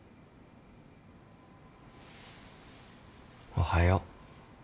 おはよう。